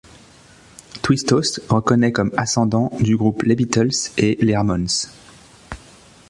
Twistos reconnaît comme ascendants du groupe les Beatles et les Ramones.